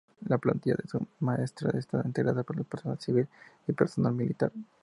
La plantilla de una Maestranza está integrada por personal civil y personal militar.